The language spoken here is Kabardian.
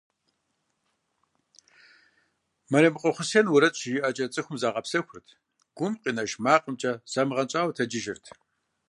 Мэремыкъуэ Хъусен уэрэд щыжиӀэкӀэ цӀыхухэм загъэпсэхурт, гум къинэж макъымкӀэ замыгъэнщӀауэ тэджыжырт.